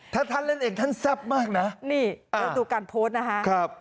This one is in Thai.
ถ้าท่านเล่นเองท่านทรัพย์มากน่ะนี่เอาตัวการโพสต์นะฮะครับ